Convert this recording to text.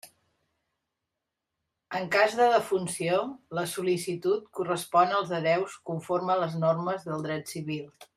En cas de defunció, la sol·licitud correspon als hereus conforme a les normes del dret civil.